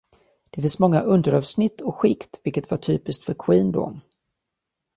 Det finns många underavsnitt och skikt, vilket var typiskt för Queen då.